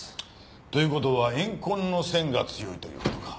という事は怨恨の線が強いという事か。